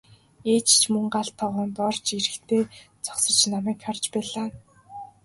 Ээж ч мөн гал тогоонд орж ирэхдээ зогсож намайг харж байлаа.